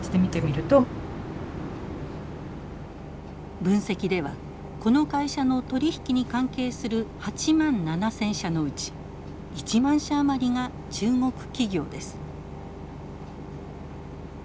分析ではこの会社の取り引きに関係する８万７，０００社のうち１万社余りが中国企業です。